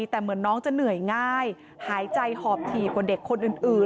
แต่เหมือนน้องจะเหนื่อยง่ายหายใจหอบถี่กว่าเด็กคนอื่น